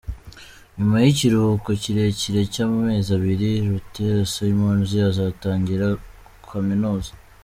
Nyuma y’ikirihuko kirekire cy’amezi abiri, Laurent Simons azatangira kaminuza.